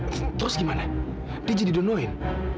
terus gimana dia jadi donoin